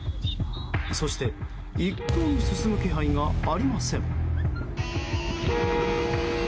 そして一向に進む気配がありません。